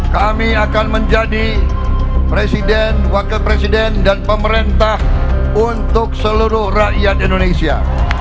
kami akan menjadi presiden wakil presiden dan pemerintah untuk seluruh rakyat indonesia